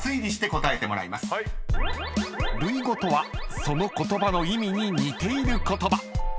［類語とはその言葉の意味に似ている言葉］